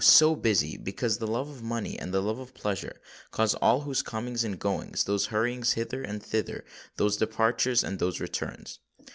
so busy, because the love of money and the love of pleasure cause all those comings and goings,—those hurryings hither and thither,—those departures, and those returns!